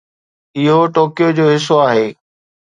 اهو ٽوڪيو جو حصو آهي